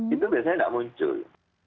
itu biasanya tidak muncul